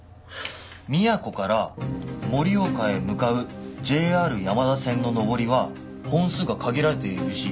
宮古から盛岡へ向かうＪＲ山田線の上りは本数が限られているし